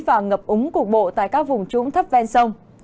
và ngập úng cục bộ tại các vùng trũng thấp ven sông